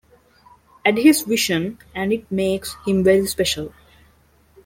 Add his vision and it makes him very special.